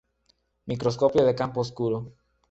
Microscopio de campo oscuro.